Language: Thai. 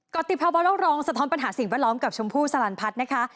กอร์ติพรบาวโรครองสะท้อนปัญหาสิ่งวันล้อมกับชมพูสาลันพัฒน์นะคะ